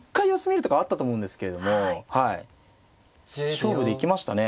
勝負で行きましたね。